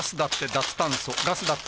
脱炭素ガス・だって・